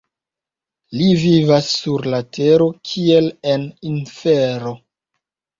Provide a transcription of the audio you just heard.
Li vivas sur la tero kiel en infero.